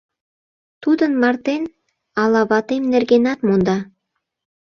Тудын мартен ала ватем нергенат монда».